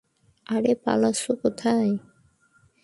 আরে পালাচ্ছো কোথায়?